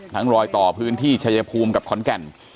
รอยต่อพื้นที่ชายภูมิกับขอนแก่น